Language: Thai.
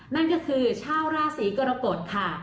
นั่นก็คือชาวราศีกรกฎค่ะ